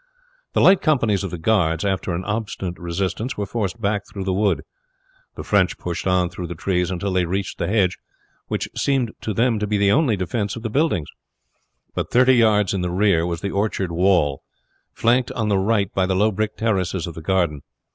The light companies of the guards, after an obstinate resistance, were forced back through the wood. The French pushed on through the trees until they reached the hedge, which seemed to them to be the only defense of the buildings. But thirty yards in the rear was the orchard wall, flanked on the right by the low brick terraces of the garden.